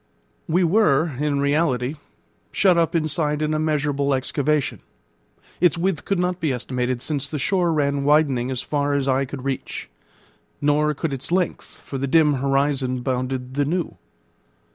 We were in reality shut up inside an immeasurable excavation. Its width could not be estimated, since the shore ran widening as far as eye could reach, nor could its length, for the dim horizon bounded the new.